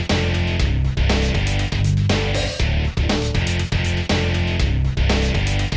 kau menangnya adalah